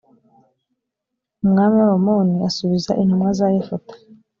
umwami w’abamoni asubiza intumwa za yefuta